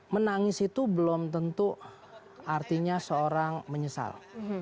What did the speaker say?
menangis itu belum tentu artinya seorang menyesal